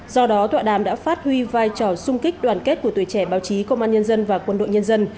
do đó tọa đàm đã phát huy vai trò sung kích đoàn kết của tuổi trẻ báo chí công an nhân dân và quân đội nhân dân